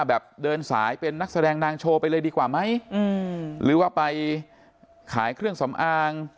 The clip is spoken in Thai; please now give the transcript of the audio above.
แบบเดินสายเป็นนักแสดงนางโชว์ไปเลยดีกว่าไหมอืมหรือว่าไปขายเครื่องสำอาง